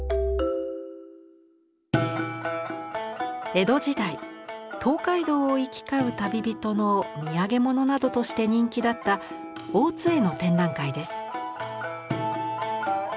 江戸時代東海道を行き交う旅人のみやげものなどとして人気だった大津絵の展覧会です。